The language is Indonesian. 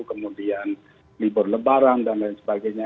kemudian libur lebaran dan lain sebagainya